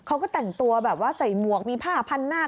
เขาก็แต่งตัวแบบว่าใส่หมวกมีผ้าพันหน้า